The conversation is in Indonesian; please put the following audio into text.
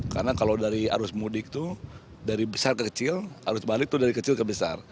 karena kalau dari arus mudik itu dari besar ke kecil arus balik itu dari kecil ke besar